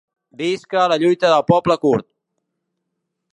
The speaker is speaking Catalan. Visca la lluita del poble kurd!